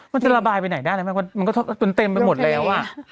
มันจะระบายไปไหนได้นะมันก็เต็มไปหมดแล้ว